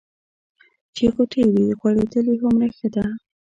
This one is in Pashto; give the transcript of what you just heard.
چې غوټۍ وي غوړېدلې هومره ښه ده.